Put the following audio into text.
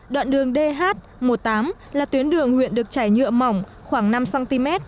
đoạn đường dh một mươi tám là tuyến đường huyện được chảy nhựa mỏng khoảng năm cm